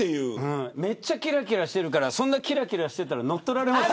めっちゃ、きらきらしてるからそんなに、きらきらしてたら乗っ取られますよ。